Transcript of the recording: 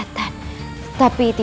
kau tidak tahu apa itu